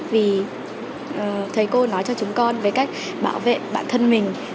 vì thầy cô nói cho chúng con về cách bảo vệ bản thân mình